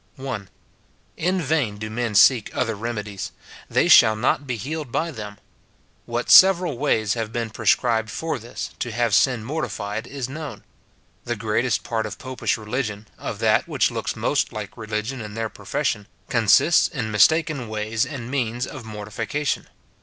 1. In vain do men seek other remedies ; they shall not be healed by them. What several ways have been pre scribed for this, to have sin mortified, is known. The greatest part of popish religion, of that which looks most like religion in their profession, consists in mistaken ways and means of mortification.